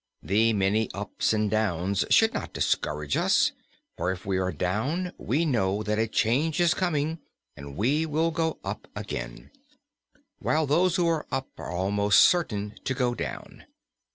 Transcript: The many ups and downs should not discourage us, for if we are down, we know that a change is coming and we will go up again; while those who are up are almost certain to go down.